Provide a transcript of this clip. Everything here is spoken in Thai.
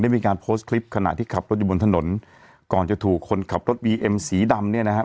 มีการโพสต์คลิปขณะที่ขับรถอยู่บนถนนก่อนจะถูกคนขับรถบีเอ็มสีดำเนี่ยนะครับ